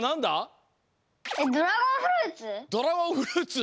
ドラゴンフルーツ！